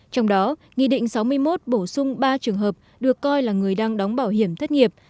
trong đó nghị định sáu mươi một bổ sung ba trường hợp được coi là người đang đóng bảo hiểm thất nghiệp